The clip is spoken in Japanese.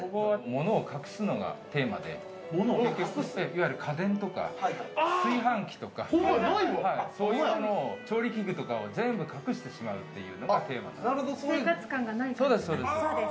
物を隠すのがテーマで、家電とか炊飯器とか、そういうものを調理器具とかを全部隠してしまうっていうのがテーマで。